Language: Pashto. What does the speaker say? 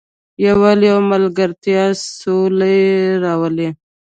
یووالی او ملګرتیا سوله راولي.